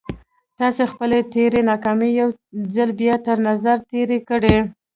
تاسې خپلې تېرې ناکامۍ يو ځل بيا تر نظر تېرې کړئ.